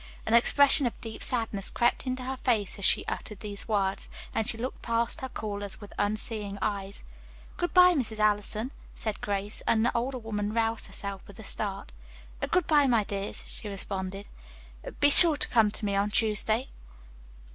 An expression of deep sadness crept into her face as she uttered these words, and she looked past her callers with unseeing eyes. "Good bye, Mrs. Allison," said Grace, and the older woman roused herself with a start. "Good bye, my dears," she responded. "Be sure to come to me on Tuesday."